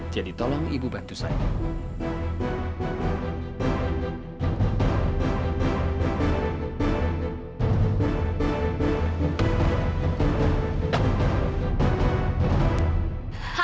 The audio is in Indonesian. jadi tolong ibu bantu saya